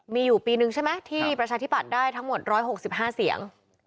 มีอยู่ปีนึงใช่ไหมที่ประชาธิบัติได้ทั้งหมด๑๖๕เสียง